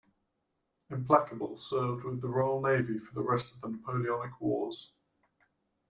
"Implacable" served with the Royal Navy for the rest of the Napoleonic Wars.